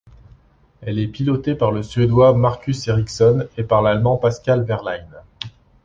Elle est pilotée par le Suédois Marcus Ericsson et par l'Allemand Pascal Wehrlein.